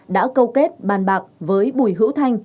đã câu kết bàn bạc với bùi hữu thanh